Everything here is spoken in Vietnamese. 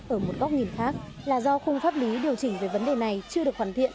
ở một góc nhìn khác là do khung pháp lý điều chỉnh về vấn đề này chưa được hoàn thiện